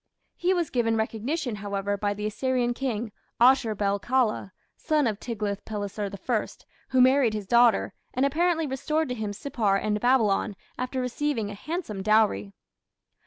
He was given recognition, however, by the Assyrian king, Ashur bel kala, son of Tiglath pileser I, who married his daughter, and apparently restored to him Sippar and Babylon after receiving a handsome dowry.